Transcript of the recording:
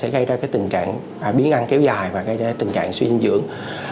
gây ra tình trạng biến ăn kéo dài và gây ra tình trạng suyên dưỡng